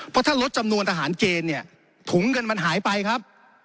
เพราะถ้าลดจำนวนทหารเกณฑ์เนี่ยถุงเงินมันหายไปครับ